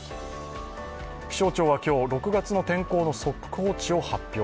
気象庁は今日、６月の天候の速報値を発表。